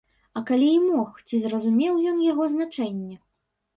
А калі і мог, ці зразумеў ён яго значэнне?